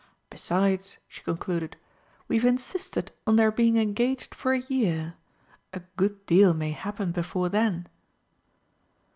Besides," she concluded, "we've insisted on their being engaged for a year a good deal may happen before then."